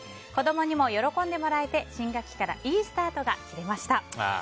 子供にも喜んでもらえて新学期からいいスタートが切れました。